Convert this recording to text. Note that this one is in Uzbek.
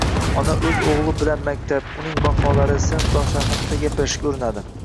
Ona o‘z o‘g‘li bilan maktab, uning baholari, sinfdoshlari haqida gaplashishga urinadi.